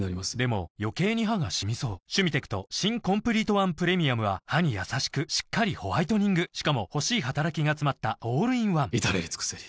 余計に歯がシミそう「シュミテクト新コンプリートワンプレミアム」は歯にやさしくしっかりホワイトニングしかも欲しい働きがつまったオールインワン至れり尽せり